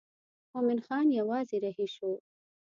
مومن خان یوازې رهي شو.